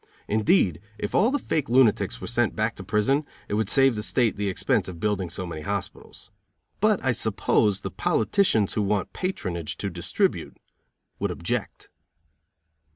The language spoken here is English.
Indeed, if all the fake lunatics were sent back to prison, it would save the state the expense of building so many hospitals. But I suppose the politicians who want patronage to distribute would object.